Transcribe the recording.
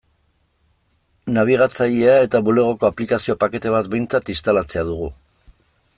Nabigatzailea eta Bulegoko aplikazio-pakete bat behintzat instalatzea dugu.